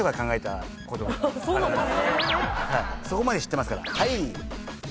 そこまで知ってますから。